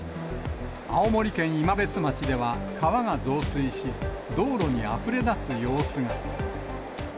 青森県今別町では川が増水し、道路にあふれ出す様子が。